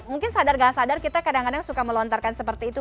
mungkin sadar gak sadar kita kadang kadang suka melontarkan seperti itu